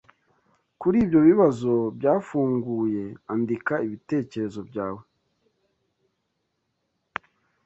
Kuri ibyo bibazo byafunguye andika ibitekerezo byawe